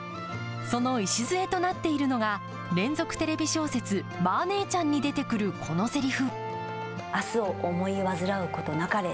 その礎となっているのが連続テレビ小説、マー姉ちゃんに出てくるこのせりふ。